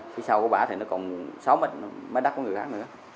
phía sau của bà thì nó còn sáu mấy đất của người khác nữa